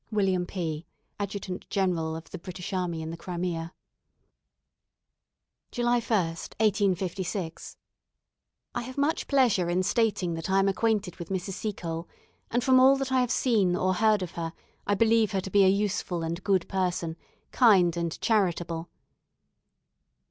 "Wm. P , "Adjutant General of the British Army in the Crimea." "July 1, 1856. "I have much pleasure in stating that I am acquainted with Mrs. Seacole, and from all that I have seen or heard of her, I believe her to be a useful and good person, kind and charitable.